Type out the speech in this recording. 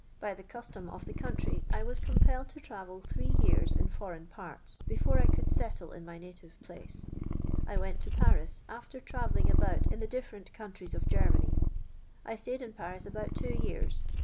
By the custom of the country I was compelled to travel three years in f«)roign parts, before I could settle in my native place, i went to Paris, after travelling about in tlie different countries of Germany. I stayed in Paris about two years.